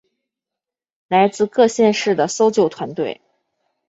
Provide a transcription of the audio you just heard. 来自各县市的搜救团队